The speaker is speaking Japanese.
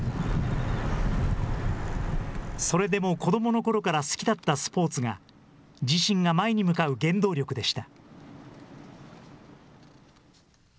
それでも子どものころから好きだったスポーツが、自身が前に向かう原動力でした。